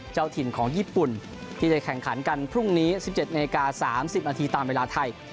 เจ้าถิ่นของญี่ปุ่นที่จะแข่งขันกันพรุ่งนี้๑๗นาที๓๐นาทีตามเวลาไทย